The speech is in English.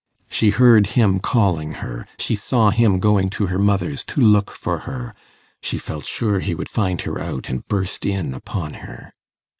She heard him calling her, she saw him going to her mother's to look for her, she felt sure he would find her out, and burst in upon her.